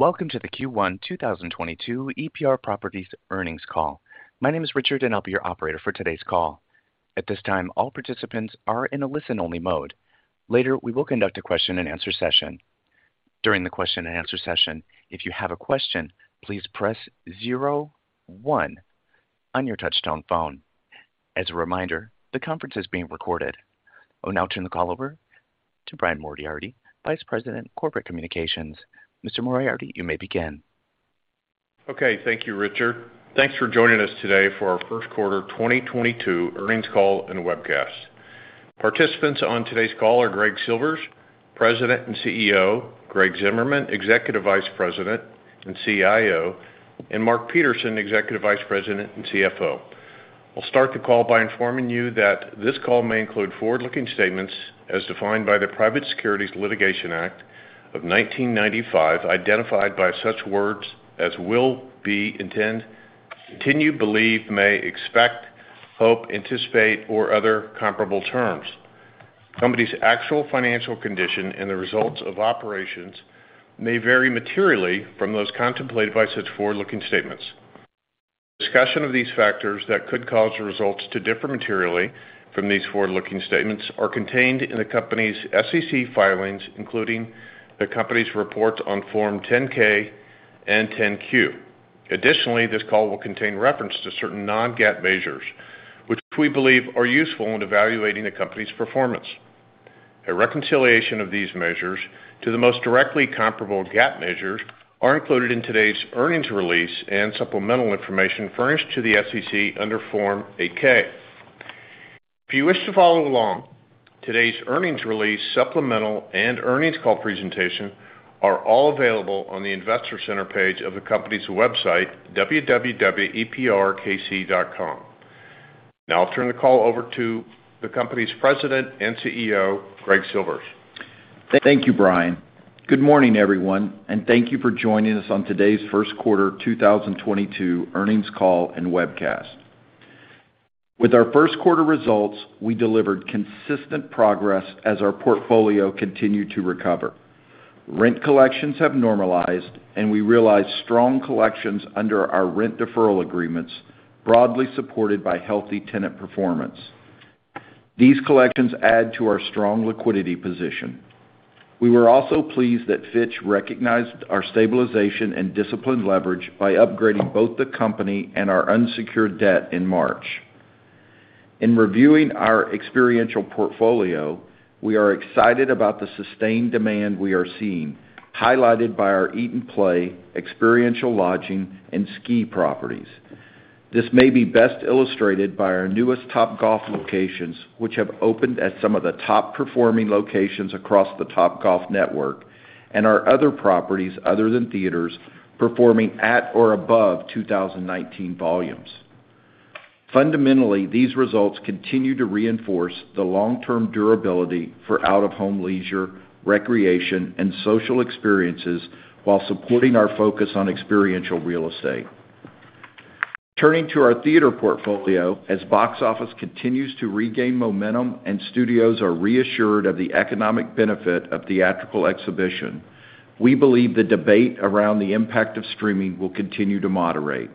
Welcome to the Q1 2022 EPR Properties earnings call. My name is Richard, and I'll be your operator for today's call. At this time, all participants are in a listen-only mode. Later, we will conduct a question-and-answer session. During the question-and-answer session, if you have a question, please press zero one on your touchtone phone. As a reminder, the conference is being recorded. I will now turn the call over to Brian Moriarty, Vice President, Corporate Communications. Mr. Moriarty, you may begin. Okay, thank you, Richard. Thanks for joining us today for our first quarter 2022 earnings call and webcast. Participants on today's call are Greg Silvers, President and CEO, Greg Zimmerman, Executive Vice President and CIO, and Mark Peterson, Executive Vice President and CFO. I'll start the call by informing you that this call may include forward-looking statements as defined by the Private Securities Litigation Reform Act of 1995, identified by such words as will, be, intend, continue, believe, may, expect, hope, anticipate, or other comparable terms. Company's actual financial condition and the results of operations may vary materially from those contemplated by such forward-looking statements. Discussion of these factors that could cause the results to differ materially from these forward-looking statements are contained in the company's SEC filings, including the company's reports on Form 10-K and 10-Q. Additionally, this call will contain reference to certain non-GAAP measures which we believe are useful in evaluating the company's performance. A reconciliation of these measures to the most directly comparable GAAP measures are included in today's earnings release and supplemental information furnished to the SEC under Form 8-K. If you wish to follow along, today's earnings release, supplemental, and earnings call presentation are all available on the investor center page of the company's website, www.eprkc.com. Now I'll turn the call over to the company's President and CEO, Greg Silvers. Thank you, Brian. Good morning, everyone, and thank you for joining us on today's first-quarter 2022 earnings call and webcast. With our first quarter results, we delivered consistent progress as our portfolio continued to recover. Rent collections have normalized, and we realized strong collections under our rent deferral agreements, broadly supported by healthy tenant performance. These collections add to our strong liquidity position. We were also pleased that Fitch recognized our stabilization and disciplined leverage by upgrading both the company and our unsecured debt in March. In reviewing our experiential portfolio, we are excited about the sustained demand we are seeing, highlighted by our eat and play, experiential lodging, and ski properties. This may be best illustrated by our newest Topgolf locations, which have opened at some of the top-performing locations across the Topgolf network and our other properties other than theaters, performing at or above 2019 volumes. Fundamentally, these results continue to reinforce the long-term durability for out-of-home leisure, recreation, and social experiences while supporting our focus on experiential real estate. Turning to our theater portfolio, as box office continues to regain momentum and studios are reassured of the economic benefit of theatrical exhibition, we believe the debate around the impact of streaming will continue to moderate.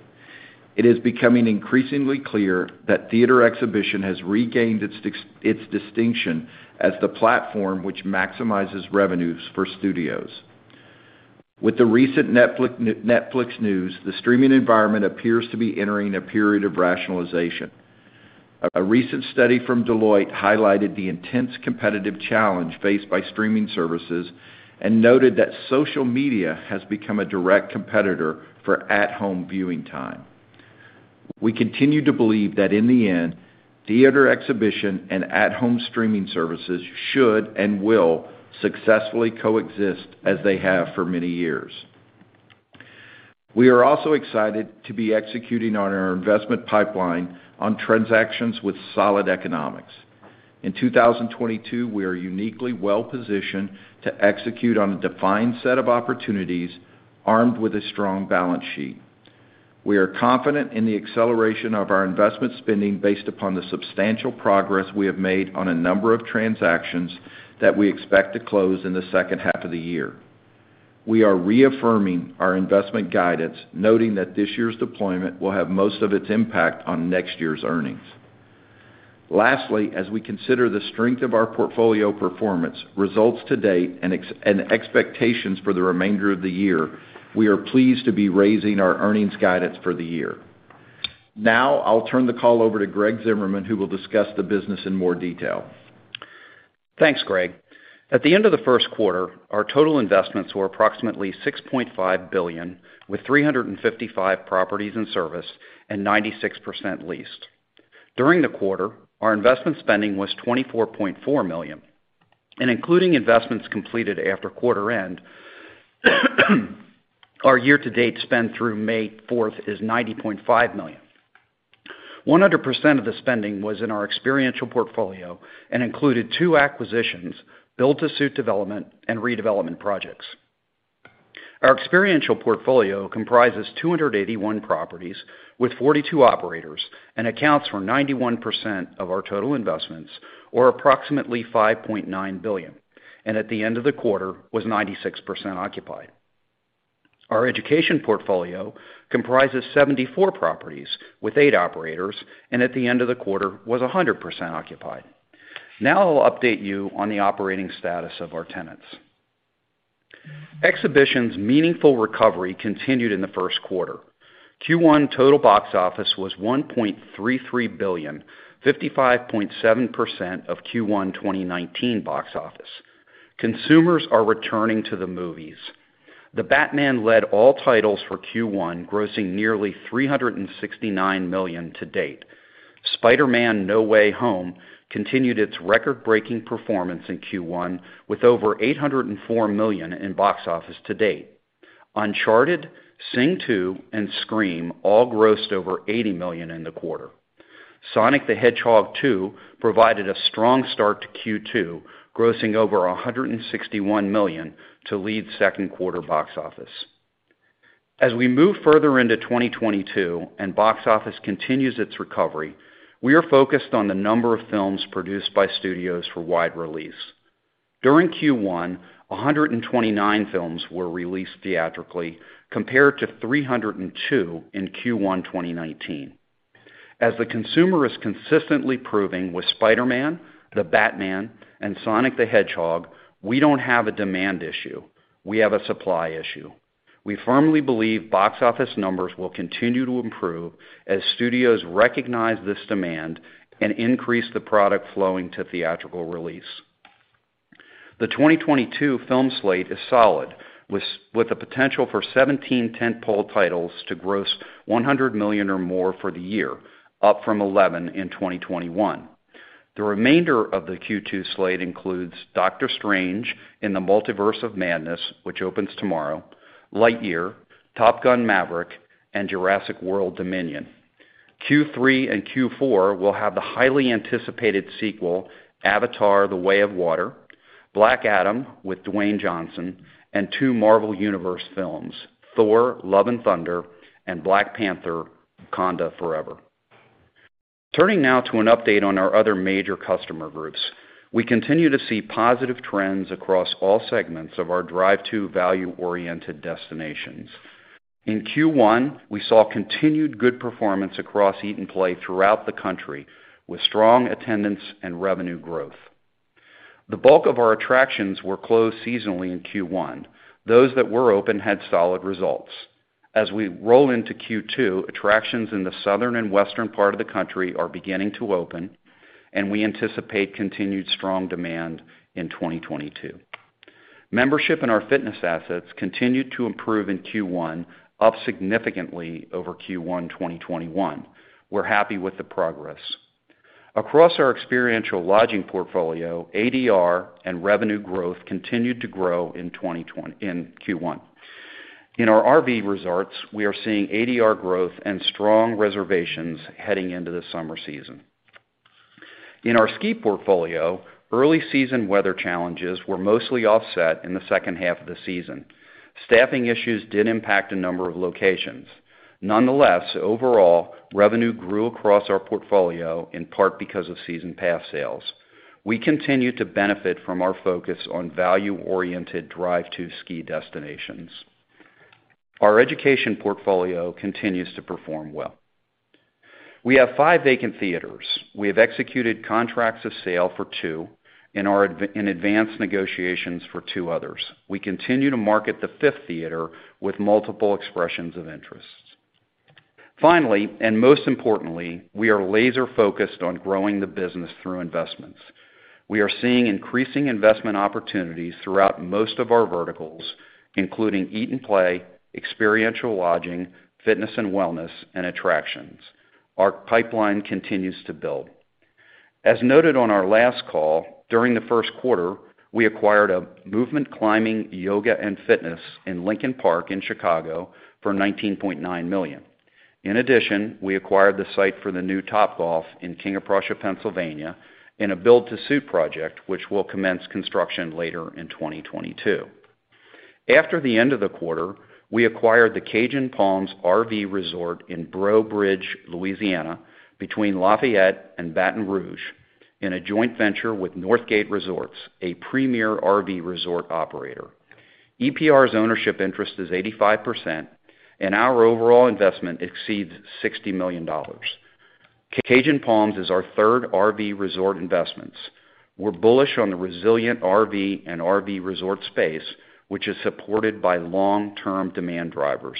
It is becoming increasingly clear that theater exhibition has regained its distinction as the platform which maximizes revenues for studios. With the recent Netflix news, the streaming environment appears to be entering a period of rationalization. A recent study from Deloitte highlighted the intense competitive challenge faced by streaming services and noted that social media has become a direct competitor for at-home viewing time. We continue to believe that in the end, theater exhibition and at-home streaming services should and will successfully coexist as they have for many years. We are also excited to be executing on our investment pipeline on transactions with solid economics. In 2022, we are uniquely well positioned to execute on a defined set of opportunities armed with a strong balance sheet. We are confident in the acceleration of our investment spending based upon the substantial progress we have made on a number of transactions that we expect to close in the second half of the year. We are reaffirming our investment guidance, noting that this year's deployment will have most of its impact on next year's earnings. Lastly, as we consider the strength of our portfolio performance, results to date and expectations for the remainder of the year, we are pleased to be raising our earnings guidance for the year. Now, I'll turn the call over to Greg Zimmerman, who will discuss the business in more detail. Thanks, Greg. At the end of the first quarter, our total investments were approximately $6.5 billion, with 355 properties in service and 96% leased. During the quarter, our investment spending was $24.4 million, and including investments completed after quarter end, our year-to-date spend through May fourth is $90.5 million. 100% of the spending was in our experiential portfolio and included two acquisitions, built-to-suit development, and redevelopment projects. Our experiential portfolio comprises 281 properties with 42 operators and accounts for 91% of our total investments, or approximately $5.9 billion, and at the end of the quarter was 96% occupied. Our education portfolio comprises 74 properties with eight operators, and at the end of the quarter was 100% occupied. Now I'll update you on the operating status of our tenants. Exhibition's meaningful recovery continued in the first quarter. Q1 total box office was $1.33 billion, 55.7% of Q1 2019 box office. Consumers are returning to the movies. The Batman led all titles for Q1, grossing nearly $369 million to date. Spider-Man: No Way Home continued its record-breaking performance in Q1 with over $804 million in box office to date. Uncharted, Sing 2, and Scream all grossed over $80 million in the quarter. Sonic the Hedgehog 2 provided a strong start to Q2, grossing over $161 million to lead second quarter box office. As we move further into 2022 and box office continues its recovery, we are focused on the number of films produced by studios for wide release. During Q1, 129 films were released theatrically, compared to 302 in Q1 2019. As the consumer is consistently proving with Spider-Man, The Batman, and Sonic the Hedgehog, we don't have a demand issue, we have a supply issue. We firmly believe box office numbers will continue to improve as studios recognize this demand and increase the product flowing to theatrical release. The 2022 film slate is solid, with the potential for 17 tent-pole titles to gross $100 million or more for the year, up from 11 in 2021. The remainder of the Q2 slate includes Doctor Strange in the Multiverse of Madness, which opens tomorrow, Lightyear, Top Gun: Maverick, and Jurassic World Dominion. Q3 and Q4 will have the highly anticipated sequel Avatar: The Way of Water, Black Adam with Dwayne Johnson, and two Marvel Universe films, Thor: Love and Thunder and Black Panther: Wakanda Forever. Turning now to an update on our other major customer groups. We continue to see positive trends across all segments of our drive to value-oriented destinations. In Q1, we saw continued good performance across Eat and Play throughout the country, with strong attendance and revenue growth. The bulk of our attractions were closed seasonally in Q1. Those that were open had solid results. As we roll into Q2, attractions in the southern and western part of the country are beginning to open, and we anticipate continued strong demand in 2022. Membership in our fitness assets continued to improve in Q1, up significantly over Q1 2021. We're happy with the progress. Across our experiential lodging portfolio, ADR and revenue growth continued to grow in Q1. In our RV resorts, we are seeing ADR growth and strong reservations heading into the summer season. In our ski portfolio, early season weather challenges were mostly offset in the second half of the season. Staffing issues did impact a number of locations. Nonetheless, overall, revenue grew across our portfolio, in part because of season pass sales. We continue to benefit from our focus on value-oriented drive to ski destinations. Our education portfolio continues to perform well. We have five vacant theaters. We have executed contracts of sale for two, and are in advanced negotiations for two others. We continue to market the fifth theater with multiple expressions of interests. Finally, and most importantly, we are laser focused on growing the business through investments. We are seeing increasing investment opportunities throughout most of our verticals, including Eat and Play, experiential lodging, fitness and wellness, and attractions. Our pipeline continues to build. As noted on our last call, during the first quarter, we acquired a Movement Climbing, Yoga & Fitness in Lincoln Park in Chicago for $19.9 million. In addition, we acquired the site for the new Topgolf in King of Prussia, Pennsylvania in a build to suit project, which will commence construction later in 2022. After the end of the quarter, we acquired the Cajun Palms RV Resort in Breaux Bridge, Louisiana between Lafayette and Baton Rouge in a joint venture with Northgate Resorts, a premier RV resort operator. EPR's ownership interest is 85%, and our overall investment exceeds $60 million. Cajun Palms is our third RV resort investments. We're bullish on the resilient RV and RV resort space, which is supported by long-term demand drivers.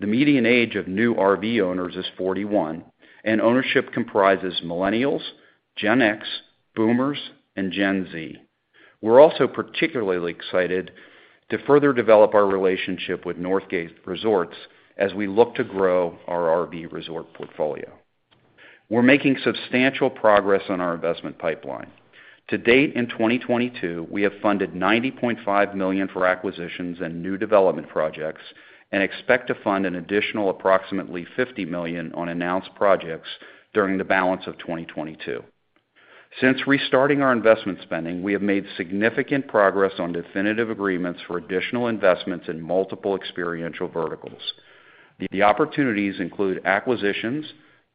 The median age of new RV owners is 41, and ownership comprises Millennials, Gen X, Boomers, and Gen Z. We're also particularly excited to further develop our relationship with Northgate Resorts as we look to grow our RV resort portfolio. We're making substantial progress on our investment pipeline. To date in 2022, we have funded $90.5 million for acquisitions and new development projects, and expect to fund an additional approximately $50 million on announced projects during the balance of 2022. Since restarting our investment spending, we have made significant progress on definitive agreements for additional investments in multiple experiential verticals. The opportunities include acquisitions,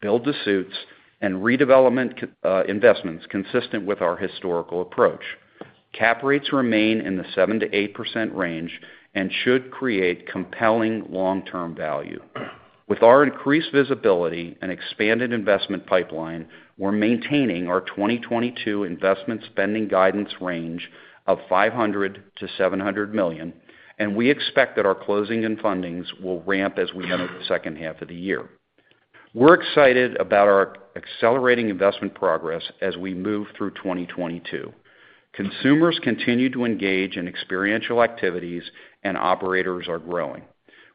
build-to-suits, and redevelopment investments consistent with our historical approach. Cap rates remain in the 7%-8% range and should create compelling long-term value. With our increased visibility and expanded investment pipeline, we're maintaining our 2022 investment spending guidance range of $500 million-$700 million, and we expect that our closing and fundings will ramp as we enter the second half of the year. We're excited about our accelerating investment progress as we move through 2022. Consumers continue to engage in experiential activities, and operators are growing.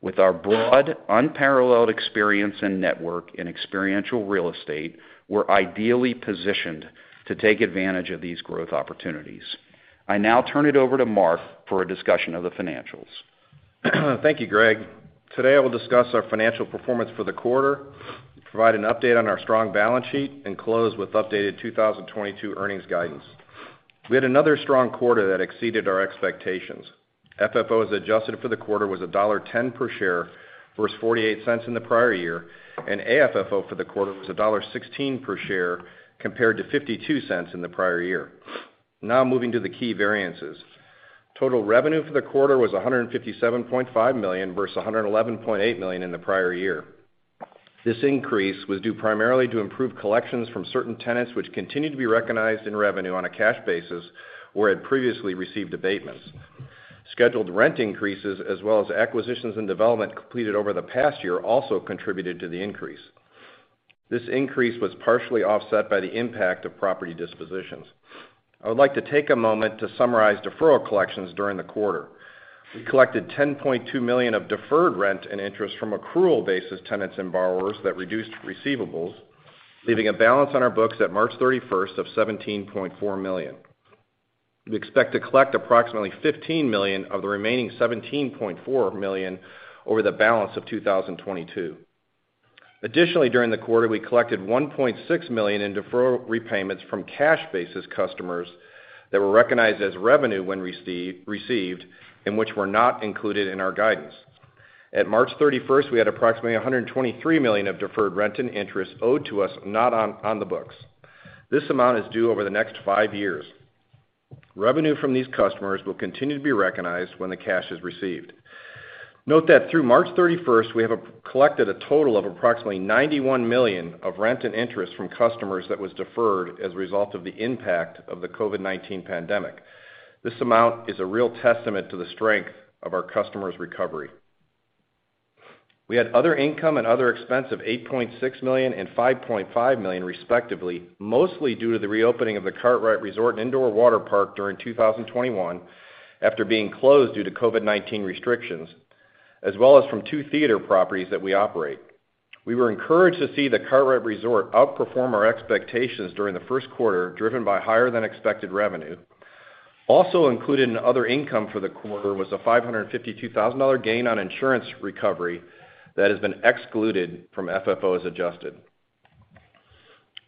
With our broad, unparalleled experience and network in experiential real estate, we're ideally positioned to take advantage of these growth opportunities. I now turn it over to Mark for a discussion of the financials. Thank you, Greg. Today, I will discuss our financial performance for the quarter, provide an update on our strong balance sheet, and close with updated 2022 earnings guidance. We had another strong quarter that exceeded our expectations. FFO as adjusted for the quarter was $1.10 per share versus $0.48 in the prior year, and AFFO for the quarter was $1.16 per share compared to $0.52 in the prior year. Now, moving to the key variances. Total revenue for the quarter was $157.5 million versus $111.8 million in the prior year. This increase was due primarily to improved collections from certain tenants which continued to be recognized in revenue on a cash basis, where it previously received abatements. Scheduled rent increases, as well as acquisitions and development completed over the past year also contributed to the increase. This increase was partially offset by the impact of property dispositions. I would like to take a moment to summarize deferral collections during the quarter. We collected $10.2 million of deferred rent and interest from accrual-basis tenants and borrowers that reduced receivables, leaving a balance on our books at March 31 of $17.4 million. We expect to collect approximately $15 million of the remaining $17.4 million over the balance of 2022. Additionally, during the quarter, we collected $1.6 million in deferral repayments from cash-basis customers that were recognized as revenue when received, and which were not included in our guidance. At March 31, we had approximately $123 million of deferred rent and interest owed to us, not on the books. This amount is due over the next five years. Revenue from these customers will continue to be recognized when the cash is received. Note that through March 31, we have collected a total of approximately $91 million of rent and interest from customers that was deferred as a result of the impact of the COVID-19 pandemic. This amount is a real testament to the strength of our customers' recovery. We had other income and other expense of $8.6 million and $5.5 million, respectively, mostly due to the reopening of the Kartrite Resort & Indoor Waterpark during 2021 after being closed due to COVID-19 restrictions, as well as from two theater properties that we operate. We were encouraged to see the Kartrite Resort outperform our expectations during the first quarter, driven by higher than expected revenue. Also included in other income for the quarter was a $552,000 gain on insurance recovery that has been excluded from FFO as adjusted.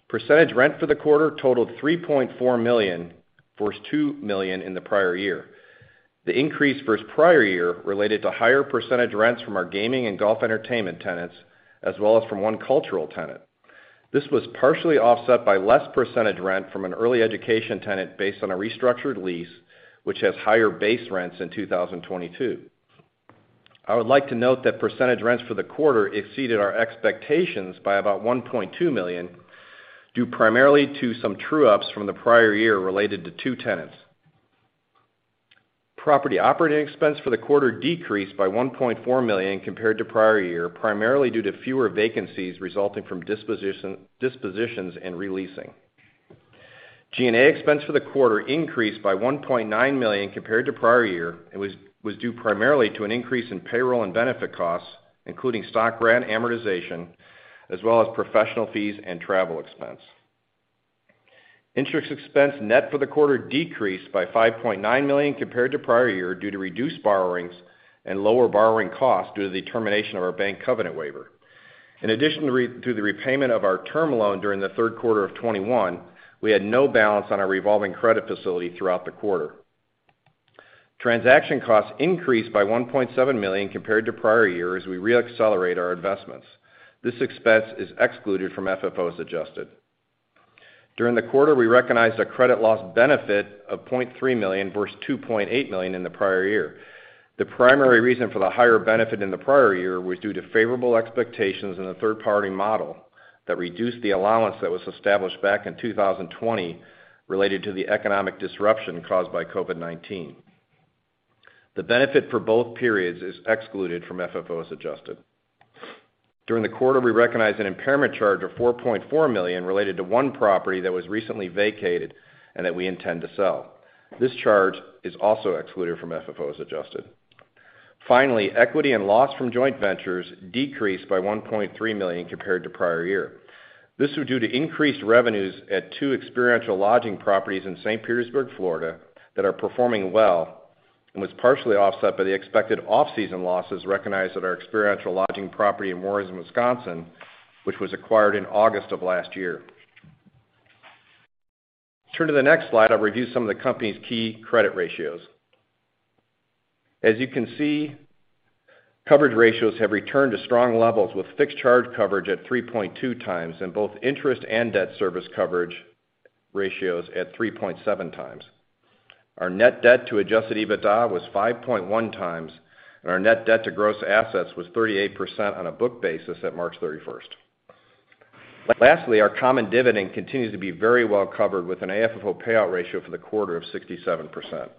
Percentage rent for the quarter totaled $3.4 million versus $2 million in the prior year. The increase versus prior year related to higher percentage rents from our gaming and golf entertainment tenants, as well as from one cultural tenant. This was partially offset by less percentage rent from an early education tenant based on a restructured lease, which has higher base rents in 2022. I would like to note that percentage rents for the quarter exceeded our expectations by about $1.2 million, due primarily to some true-ups from the prior year related to two tenants. Property operating expense for the quarter decreased by $1.4 million compared to prior year, primarily due to fewer vacancies resulting from dispositions and re-leasing. G&A expense for the quarter increased by $1.9 million compared to prior year. It was due primarily to an increase in payroll and benefit costs, including stock grant amortization, as well as professional fees and travel expense. Interest expense net for the quarter decreased by $5.9 million compared to prior year due to reduced borrowings and lower borrowing costs due to the termination of our bank covenant waiver. In addition to the repayment of our term loan during the third quarter of 2021, we had no balance on our revolving credit facility throughout the quarter. Transaction costs increased by $1.7 million compared to prior year as we reaccelerate our investments. This expense is excluded from FFO as adjusted. During the quarter, we recognized a credit loss benefit of $0.3 million versus $2.8 million in the prior year. The primary reason for the higher benefit in the prior year was due to favorable expectations in the third-party model that reduced the allowance that was established back in 2020 related to the economic disruption caused by COVID-19. The benefit for both periods is excluded from FFO as adjusted. During the quarter, we recognized an impairment charge of $4.4 million related to one property that was recently vacated and that we intend to sell. This charge is also excluded from FFO as adjusted. Finally, equity and loss from joint ventures decreased by $1.3 million compared to prior year. This was due to increased revenues at two experiential lodging properties in St. Petersburg, Florida, that are performing well and was partially offset by the expected off-season losses recognized at our experiential lodging property in Minocqua, Wisconsin, which was acquired in August of last year. Turn to the next slide, I'll review some of the company's key credit ratios. As you can see, coverage ratios have returned to strong levels with fixed charge coverage at 3.2 times, and both interest and debt service coverage ratios at 3.7 times. Our net debt to adjusted EBITDA was 5.1 times, and our net debt to gross assets was 38% on a book basis at March 31. Lastly, our common dividend continues to be very well covered with an AFFO payout ratio for the quarter of 67%.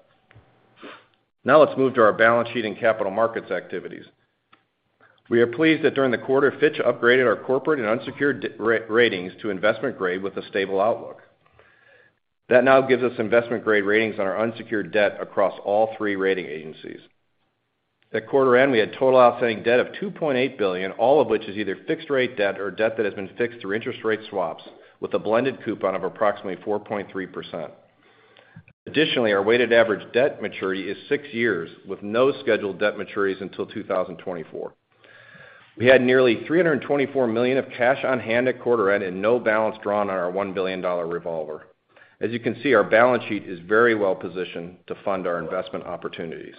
Now let's move to our balance sheet and capital markets activities. We are pleased that during the quarter, Fitch upgraded our corporate and unsecured debt ratings to investment grade with a stable outlook. That now gives us investment-grade ratings on our unsecured debt across all three rating agencies. At quarter end, we had total outstanding debt of $2.8 billion, all of which is either fixed rate debt or debt that has been fixed through interest rate swaps with a blended coupon of approximately 4.3%. Additionally, our weighted average debt maturity is six years with no scheduled debt maturities until 2024. We had nearly $324 million of cash on hand at quarter end and no balance drawn on our $1 billion revolver. As you can see, our balance sheet is very well positioned to fund our investment opportunities.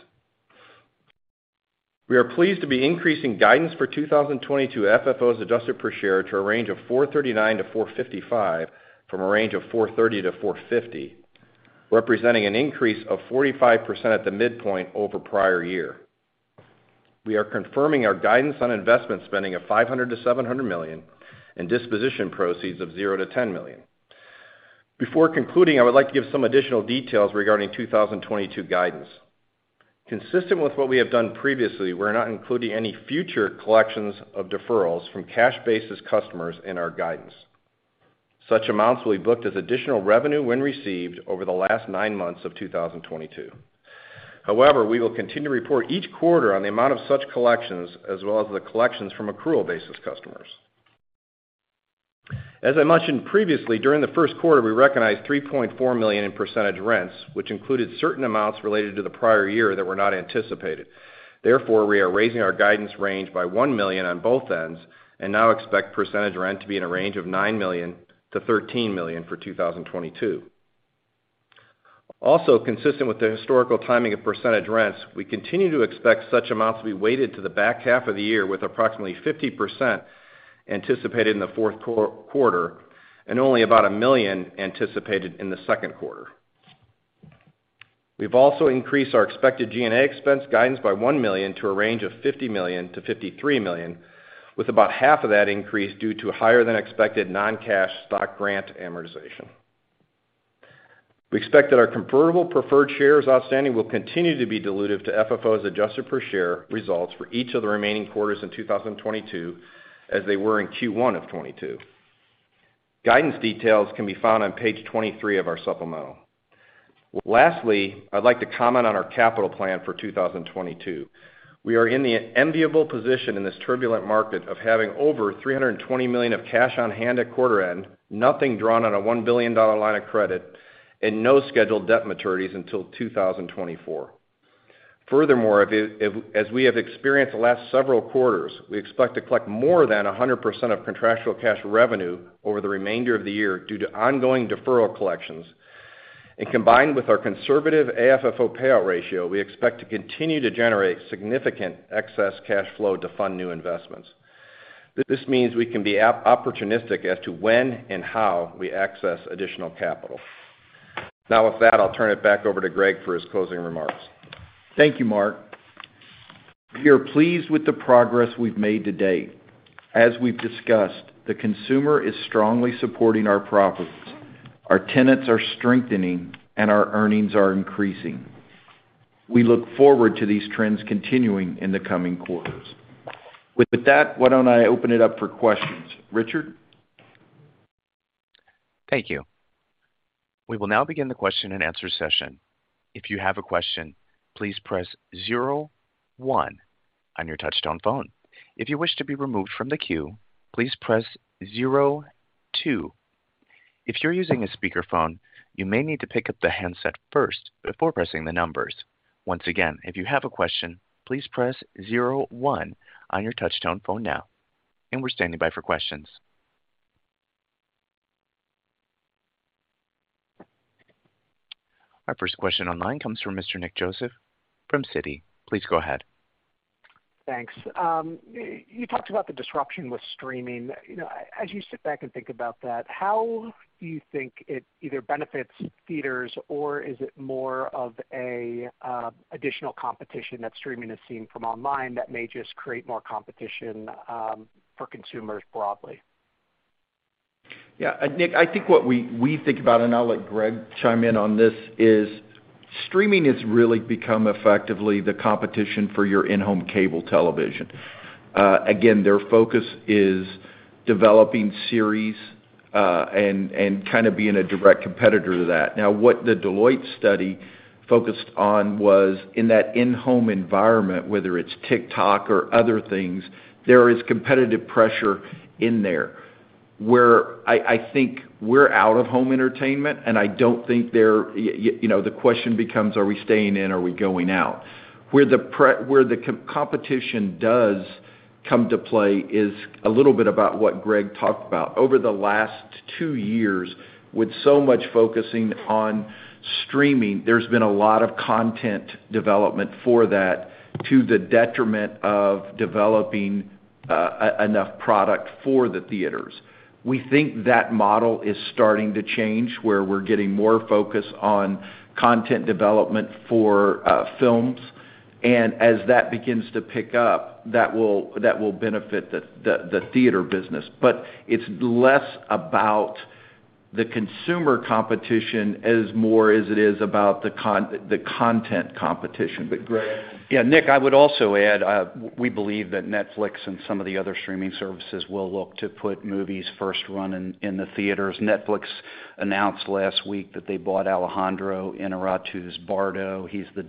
We are pleased to be increasing guidance for 2022 FFO as adjusted per share to a range of $4.39-$4.55 from a range of $4.30-$4.50, representing an increase of 45% at the midpoint over prior year. We are confirming our guidance on investment spending of $500 million-$700 million and disposition proceeds of $0-$10 million. Before concluding, I would like to give some additional details regarding 2022 guidance. Consistent with what we have done previously, we're not including any future collections of deferrals from cash basis customers in our guidance. Such amounts will be booked as additional revenue when received over the last nine months of 2022. However, we will continue to report each quarter on the amount of such collections as well as the collections from accrual basis customers. As I mentioned previously, during the first quarter, we recognized $3.4 million in percentage rents, which included certain amounts related to the prior year that were not anticipated. Therefore, we are raising our guidance range by $1 million on both ends and now expect percentage rent to be in a range of $9 million-$13 million for 2022. Also, consistent with the historical timing of percentage rents, we continue to expect such amounts to be weighted to the back half of the year, with approximately 50% anticipated in the fourth quarter and only about $1 million anticipated in the second quarter. We've also increased our expected G&A expense guidance by $1 million to a range of $50 million-$53 million, with about half of that increase due to higher than expected non-cash stock grant amortization. We expect that our convertible preferred shares outstanding will continue to be dilutive to FFO adjusted per share results for each of the remaining quarters in 2022, as they were in Q1 of 2022. Guidance details can be found on page 23 of our supplemental. Lastly, I'd like to comment on our capital plan for 2022. We are in the enviable position in this turbulent market of having over $320 million of cash on hand at quarter end, nothing drawn on a $1 billion line of credit, and no scheduled debt maturities until 2024. Furthermore, as we have experienced the last several quarters, we expect to collect more than 100% of contractual cash revenue over the remainder of the year due to ongoing deferral collections. Combined with our conservative AFFO payout ratio, we expect to continue to generate significant excess cash flow to fund new investments. This means we can be opportunistic as to when and how we access additional capital. Now, with that, I'll turn it back over to Greg for his closing remarks. Thank you, Mark. We are pleased with the progress we've made to date. As we've discussed, the consumer is strongly supporting our properties. Our tenants are strengthening, and our earnings are increasing. We look forward to these trends continuing in the coming quarters. With that, why don't I open it up for questions. Richard? Thank you. We will now begin the question-and-answer session. If you have a question, please press zero one on your touchtone phone. If you wish to be removed from the queue, please press zero two. If you're using a speakerphone, you may need to pick up the handset first before pressing the numbers. Once again, if you have a question, please press zero one on your touchtone phone now. We're standing by for questions. Our first question online comes from Mr. Nick Joseph from Citi, please go ahead. Thanks. You talked about the disruption with streaming. You know, as you sit back and think about that, how do you think it either benefits theaters or is it more of an additional competition that streaming is seeing from online that may just create more competition for consumers broadly? Yeah, Nick, I think what we think about, and I'll let Greg chime in on this, is streaming has really become effectively the competition for your in-home cable television. Again, their focus is developing series and kind of being a direct competitor to that. Now, what the Deloitte study focused on was in that in-home environment, whether it's TikTok or other things, there is competitive pressure in there. I think we're out-of-home entertainment, and I don't think they're. You know, the question becomes, are we staying in? Are we going out? Where the competition does. Come to play is a little bit about what Greg talked about. Over the last two years, with so much focusing on streaming, there's been a lot of content development for that to the detriment of developing enough product for the theaters. We think that model is starting to change, where we're getting more focus on content development for films. As that begins to pick up, that will benefit the theater business. It's less about the consumer competition and more about the content competition. Greg. Yeah, Nick, I would also add, we believe that Netflix and some of the other streaming services will look to put movies first run in the theaters. Netflix announced last week that they bought Alejandro Iñárritu's Bardo. He's the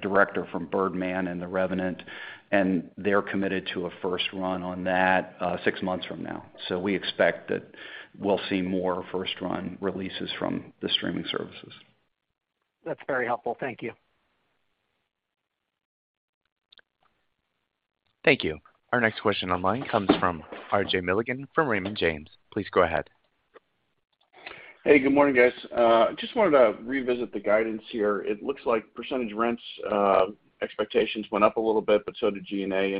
director from Birdman and The Revenant, and they're committed to a first run on that, six months from now. We expect that we'll see more first run releases from the streaming services. That's very helpful. Thank you. Thank you. Our next question online comes from RJ Milligan from Raymond James, please go ahead. Hey, good morning, guys. Just wanted to revisit the guidance here. It looks like percentage rents expectations went up a little bit, but so did G&A.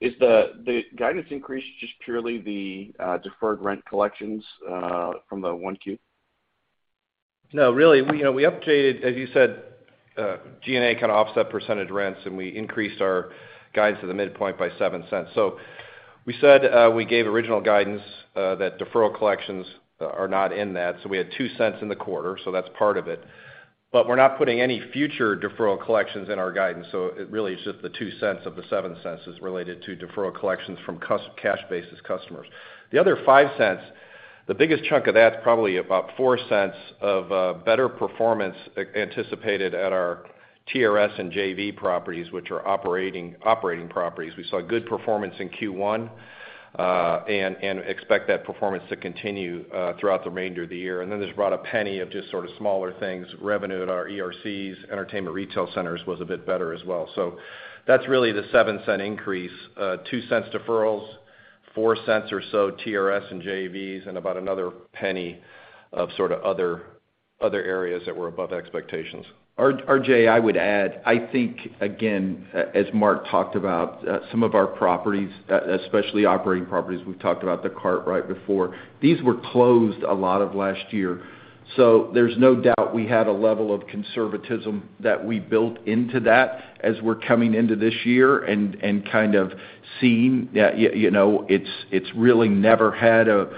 Is the guidance increase just purely the deferred rent collections from the 1Q? No, really, we, you know, we updated, as you said, G&A kind of offset percentage rents, and we increased our guidance to the midpoint by $0.07. We said we gave original guidance that deferral collections are not in that. We had $0.02 in the quarter, so that's part of it. We're not putting any future deferral collections in our guidance, so it really is just the $0.02 of the $0.07 is related to deferral collections from cash-based customers. The other $0.05, the biggest chunk of that's probably about $0.04 of better performance anticipated at our TRS and JV properties, which are operating properties. We saw good performance in Q1 and expect that performance to continue throughout the remainder of the year. There's about $0.01 of just sort of smaller things. Revenue at our ERCs, entertainment retail centers, was a bit better as well. That's really the $0.07 increase. $0.02 deferrals, $0.04 or so TRS and JVs, and about another $0.01 of sort of other areas that were above expectations. RJ, I would add, I think, again, as Mark talked about, some of our properties, especially operating properties, we've talked about The Kartrite before, these were closed a lot of last year. So there's no doubt we had a level of conservatism that we built into that as we're coming into this year and kind of seeing that, you know, it's really never had a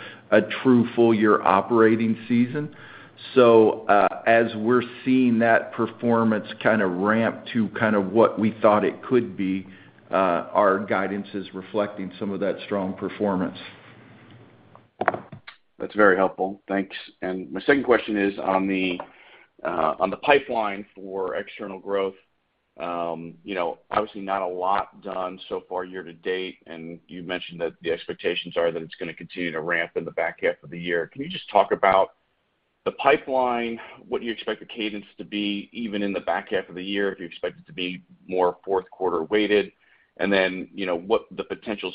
true full year operating season. So, as we're seeing that performance kind of ramp to kind of what we thought it could be, our guidance is reflecting some of that strong performance. That's very helpful. Thanks. My second question is on the pipeline for external growth. You know, obviously not a lot done so far year to date, and you mentioned that the expectations are that it's gonna continue to ramp in the back half of the year. Can you just talk about the pipeline, what you expect the cadence to be even in the back half of the year, if you expect it to be more fourth quarter weighted, and then, you know, what the potential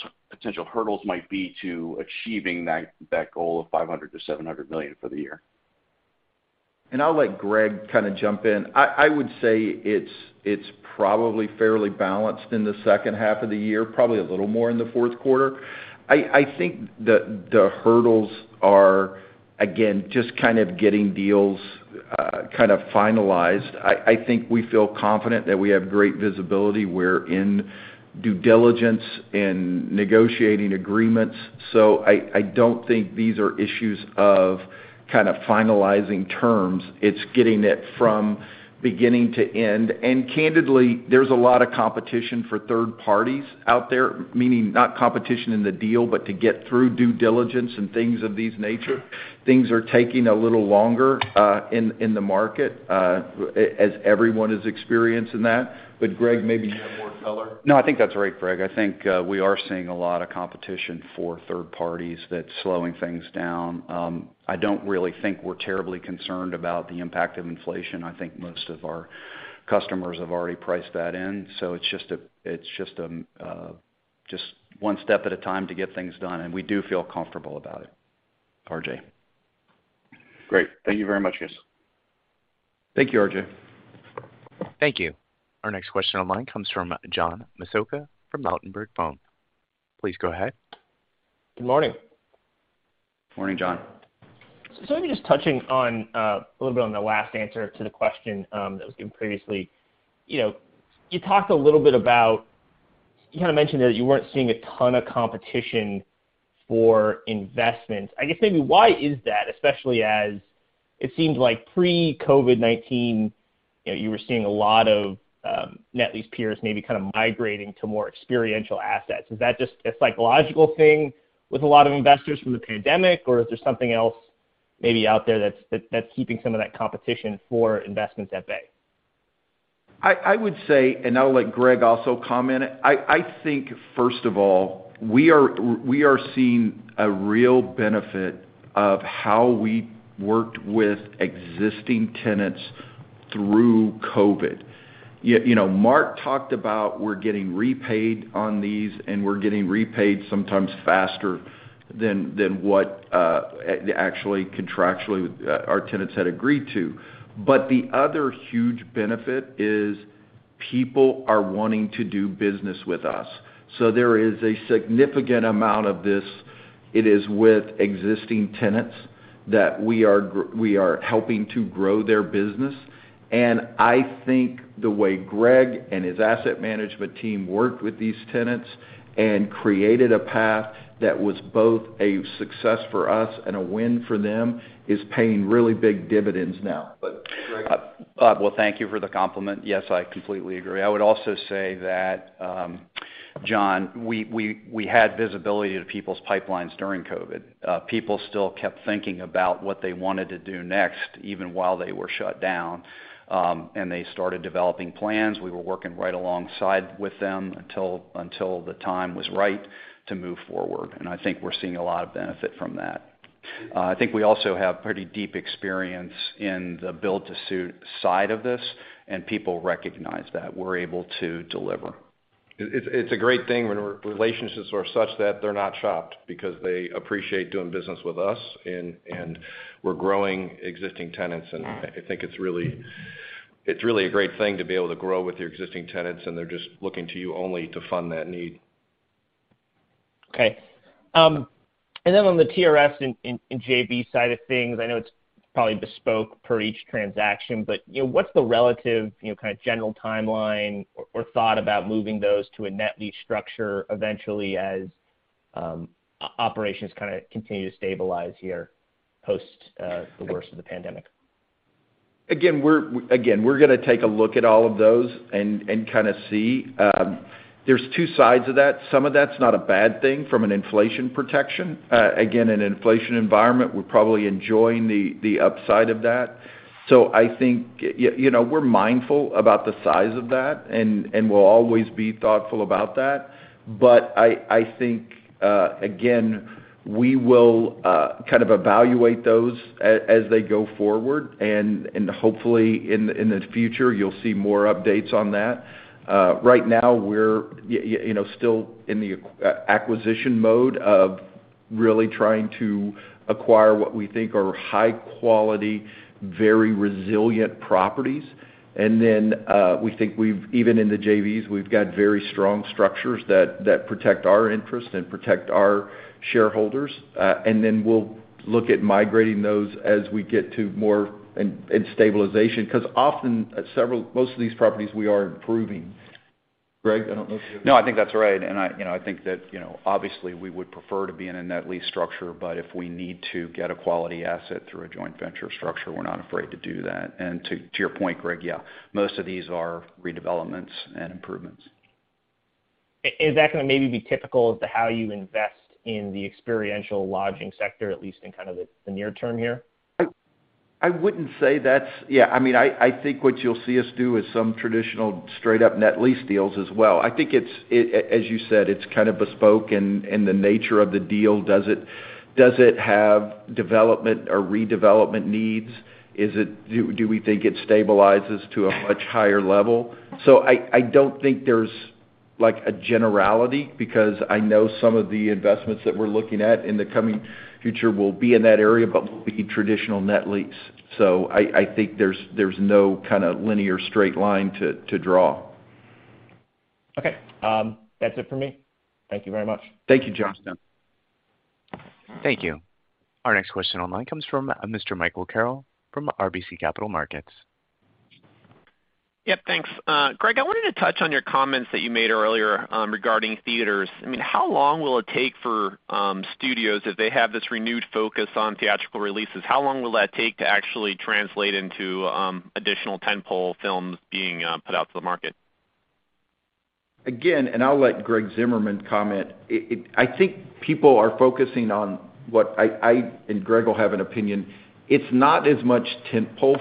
hurdles might be to achieving that goal of $500 million-$700 million for the year? I'll let Greg kind of jump in. I would say it's probably fairly balanced in the second half of the year, probably a little more in the fourth quarter. I think the hurdles are, again, just kind of getting deals kind of finalized. I think we feel confident that we have great visibility. We're in due diligence, in negotiating agreements, so I don't think these are issues of kind of finalizing terms. It's getting it from beginning to end. Candidly, there's a lot of competition for third parties out there, meaning not competition in the deal, but to get through due diligence and things of these nature. Things are taking a little longer in the market, as everyone is experiencing that. Greg, maybe you have more color. No, I think that's right, Greg. I think, we are seeing a lot of competition for third parties that's slowing things down. I don't really think we're terribly concerned about the impact of inflation. I think most of our customers have already priced that in, so it's just one step at a time to get things done, and we do feel comfortable about it, RJ. Great. Thank you very much, guys. Thank you, RJ. Thank you. Our next question online comes from John Massocca from Ladenburg Thalmann, please go ahead. Good morning. Morning, John. Maybe just touching on a little bit on the last answer to the question that was given previously, you know, you talked a little bit about, you kind of mentioned that you weren't seeing a ton of competition for investments. I guess maybe why is that? Especially as it seemed like pre-COVID-19, you know, you were seeing a lot of net lease peers maybe kind of migrating to more experiential assets. Is that just a psychological thing with a lot of investors from the pandemic, or is there something else maybe out there that's keeping some of that competition for investments at bay? I would say, and I'll let Greg also comment. I think, first of all, we are seeing a real benefit of how we worked with existing tenants through COVID. You know, Mark talked about we're getting repaid on these, and we're getting repaid sometimes faster than what actually contractually our tenants had agreed to. The other huge benefit is people are wanting to do business with us. There is a significant amount of this. It is with existing tenants that we are helping to grow their business. I think the way Greg and his asset management team worked with these tenants and created a path that was both a success for us and a win for them is paying really big dividends now. Greg? Well, thank you for the compliment. Yes, I completely agree. I would also say that, John, we had visibility to people's pipelines during COVID. People still kept thinking about what they wanted to do next, even while they were shut down. They started developing plans. We were working right alongside with them until the time was right to move forward, and I think we're seeing a lot of benefit from that. I think we also have pretty deep experience in the build-to-suit side of this, and people recognize that. We're able to deliver. It's a great thing when relationships are such that they're not shocked because they appreciate doing business with us and we're growing existing tenants. I think it's really a great thing to be able to grow with your existing tenants, and they're just looking to you only to fund that need. Okay. On the TRS and JV side of things, I know it's probably bespoke per each transaction, but you know, what's the relative, you know, kind of general timeline or thought about moving those to a net lease structure eventually as operations kind of continue to stabilize here post the worst of the pandemic? We're gonna take a look at all of those and kind of see. There's two sides of that. Some of that's not a bad thing from an inflation protection. Again, an inflation environment, we're probably enjoying the upside of that. I think, you know, we're mindful about the size of that and we'll always be thoughtful about that. I think, again, we will kind of evaluate those as they go forward, and hopefully in the future, you'll see more updates on that. Right now we're, you know, still in the acquisition mode of really trying to acquire what we think are high quality, very resilient properties. Then we think even in the JVs, we've got very strong structures that protect our interests and protect our shareholders. We'll look at migrating those as we get to more and stabilization. 'Cause often, most of these properties we are improving. Greg, I don't know if you- No, I think that's right. I, you know, I think that, you know, obviously, we would prefer to be in a net lease structure, but if we need to get a quality asset through a joint venture structure, we're not afraid to do that. To your point, Greg, yeah, most of these are redevelopments and improvements. Is that gonna maybe be typical to how you invest in the experiential lodging sector, at least in kind of the near term here? I wouldn't say that's. Yeah, I mean, I think what you'll see us do is some traditional straight up net lease deals as well. I think it's, as you said, it's kind of bespoke and the nature of the deal. Does it have development or redevelopment needs? Do we think it stabilizes to a much higher level? I don't think there's like a generality because I know some of the investments that we're looking at in the coming future will be in that area but will be traditional net lease. I think there's no kind of linear straight line to draw. Okay. That's it for me. Thank you very much. Thank you, Josh. Thank you. Our next question online comes from Mr. Michael Carroll from RBC Capital Markets. Yep, thanks. Greg, I wanted to touch on your comments that you made earlier, regarding theaters. I mean, how long will it take for studios if they have this renewed focus on theatrical releases, how long will that take to actually translate into additional tent-pole films being put out to the market? Again, I'll let Greg Zimmerman comment. I think people are focusing on what I and Greg will have an opinion. It's not as much tent-pole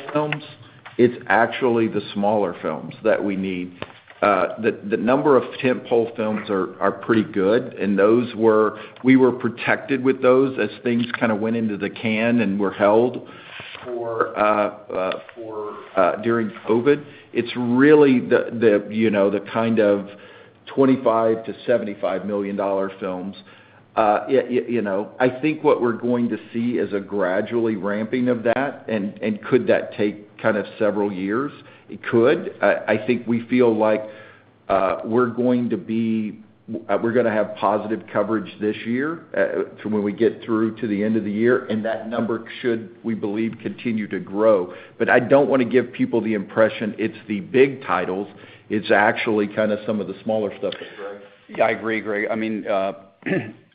films, it's actually the smaller films that we need. The number of tent-pole films are pretty good, and those were. We were protected with those as things kind of went into the can and were held for during COVID. It's really you know, the kind of $25 million-$75 million films. You know, I think what we're going to see is a gradually ramping of that. Could that take kind of several years? It could. I think we feel like we're gonna have positive coverage this year, when we get through to the end of the year, and that number should, we believe, continue to grow. I don't wanna give people the impression it's the big titles. It's actually kind of some of the smaller stuff. Greg? Yeah, I agree, Greg. I mean,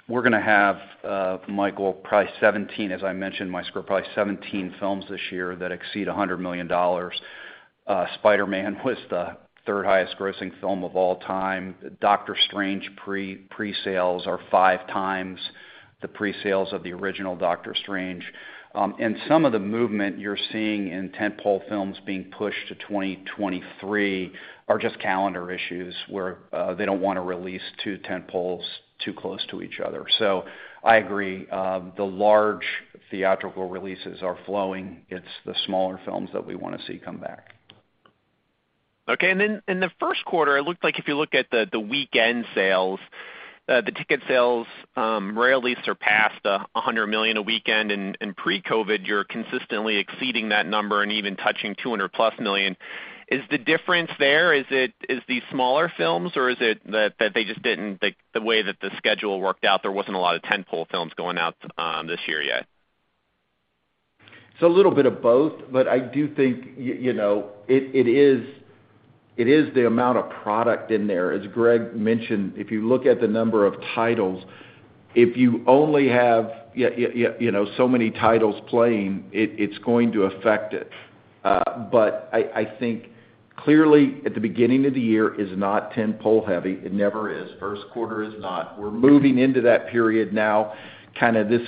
we're gonna have, Michael, probably 17, as I mentioned in my script, probably 17 films this year that exceed $100 million. Spider-Man was the third highest grossing film of all time. Doctor Strange pre-presales are five times the presales of the original Doctor Strange. Some of the movement you're seeing in tent-pole films being pushed to 2023 are just calendar issues, where they don't wanna release two tent-poles too close to each other. I agree, the large theatrical releases are flowing. It's the smaller films that we wanna see come back. Okay. In the first quarter, it looked like if you look at the weekend sales, the ticket sales, rarely surpassed $100 million a weekend. In pre-COVID, you're consistently exceeding that number and even touching $200+ million. Is the difference there, is it the smaller films or is it that the way that the schedule worked out, there wasn't a lot of tent-pole films going out this year yet? It's a little bit of both, but I do think you know, it is the amount of product in there. As Greg mentioned, if you look at the number of titles, if you only have you know, so many titles playing, it's going to affect it. But I think clearly at the beginning of the year is not tent-pole heavy. It never is. First quarter is not. We're moving into that period now, kinda this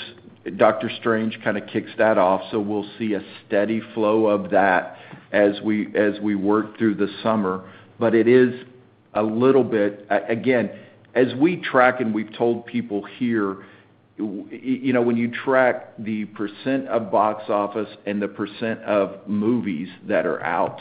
Doctor Strange kinda kicks that off, so we'll see a steady flow of that as we work through the summer. It is a little bit again, as we track and we've told people here, you know, when you track the percent of box office and the percent of movies that are out,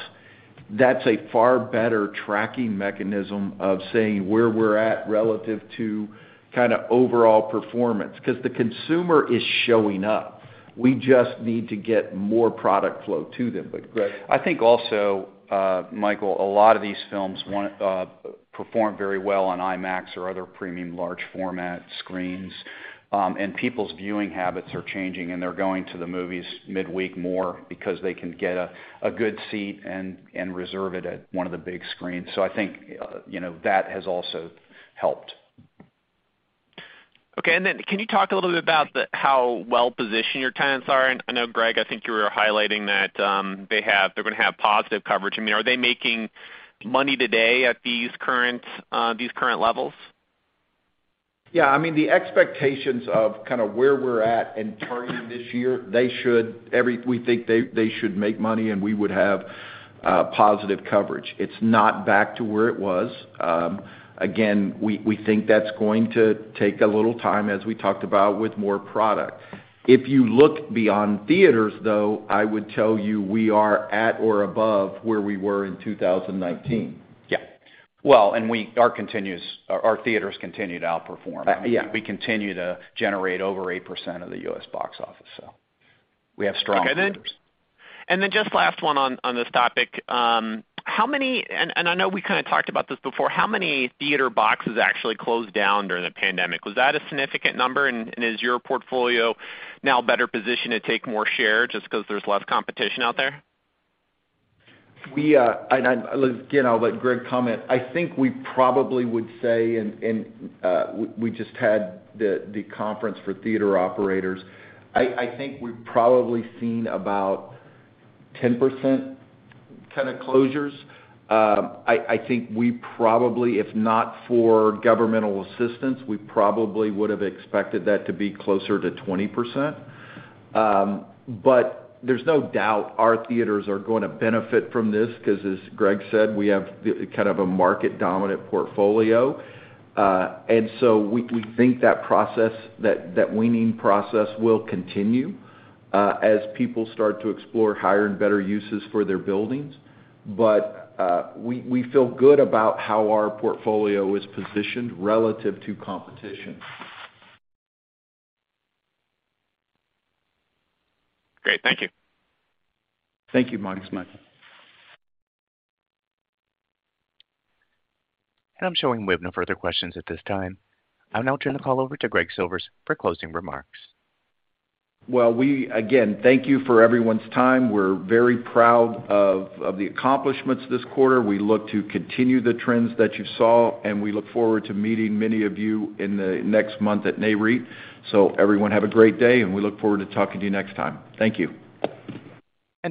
that's a far better tracking mechanism of saying where we're at relative to kinda overall performance. 'Cause the consumer is showing up. We just need to get more product flow to them. Greg. I think also, Michael, a lot of these films will perform very well on IMAX or other premium large format screens. People's viewing habits are changing, and they're going to the movies midweek more because they can get a good seat and reserve it at one of the big screens. I think, you know, that has also helped. Okay. Can you talk a little bit about how well-positioned your tenants are? I know, Greg, I think you were highlighting that they're gonna have positive coverage. I mean, are they making money today at these current levels? Yeah. I mean, the expectations of kinda where we're at in targeting this year, they should make money, and we would have positive coverage. It's not back to where it was. Again, we think that's going to take a little time as we talked about with more product. If you look beyond theaters, though, I would tell you we are at or above where we were in 2019. Well, our theaters continue to outperform. Yeah. We continue to generate over 8% of the U.S box office, so we have strong theaters. Okay then. Just last one on this topic. I know we kinda talked about this before. How many theater boxes actually closed down during the pandemic? Was that a significant number? Is your portfolio now better positioned to take more share just 'cause there's less competition out there? Again, I'll let Greg comment. I think we probably would say we just had the conference for theater operators. I think we've probably seen about 10% kinda closures. I think we probably, if not for governmental assistance, we probably would have expected that to be closer to 20%. There's no doubt our theaters are gonna benefit from this 'cause as Greg said, we have kind of a market dominant portfolio. We think that process, that weaning process will continue as people start to explore higher and better uses for their buildings. We feel good about how our portfolio is positioned relative to competition. Great. Thank you. Thank you, Michael Carroll. I'm showing we have no further questions at this time. I'll now turn the call over to Greg Silvers for closing remarks. Again, thank you for everyone's time. We're very proud of the accomplishments this quarter. We look to continue the trends that you saw, and we look forward to meeting many of you in the next month at Nareit. Everyone, have a great day, and we look forward to talking to you next time. Thank you.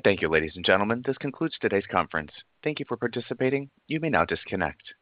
Thank you, ladies and gentlemen. This concludes today's conference. Thank you for participating. You may now disconnect.